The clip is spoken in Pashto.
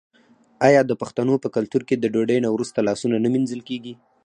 آیا د پښتنو په کلتور کې د ډوډۍ نه وروسته لاسونه نه مینځل کیږي؟